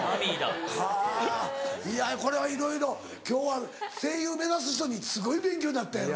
はぁいやこれはいろいろ今日は声優目指す人にすごい勉強になったよな。